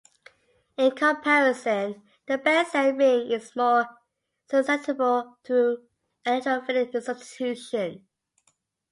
In comparison, the benzene ring is more susceptible to electrophilic substitution.